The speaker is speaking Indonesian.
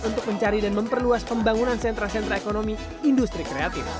untuk mencari dan memperluas pembangunan sentra sentra ekonomi industri kreatif